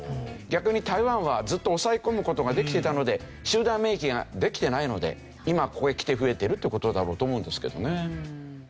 逆に台湾はずっと抑え込む事ができてたので集団免疫ができてないので今ここへきて増えてるっていう事だろうと思うんですけどね。